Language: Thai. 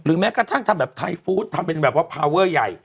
แม้กระทั่งทำแบบไทยฟู้ดทำเป็นแบบว่าพาเวอร์ใหญ่